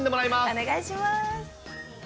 お願いします。